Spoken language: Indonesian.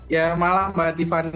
ya malam mbak tiffany